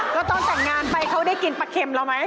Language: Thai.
แล้วตอนแต่งงานไปเขาได้กินปลาเข็มเราไหม